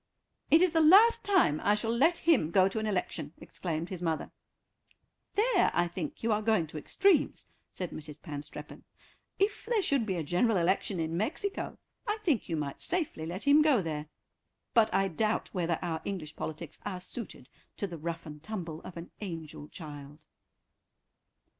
"It is the last time I shall let him go to an election," exclaimed his mother. "There I think you are going to extremes," said Mrs. Panstreppon; "if there should be a general election in Mexico I think you might safely let him go there, but I doubt whether our English politics are suited to the rough and tumble of an angel child."